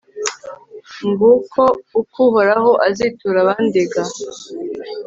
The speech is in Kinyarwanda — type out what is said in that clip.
nguko uko uhoraho azitura abandega